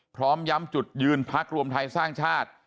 พร้อมย้ำจุดยืนพักรวมไทยสร้างชาติ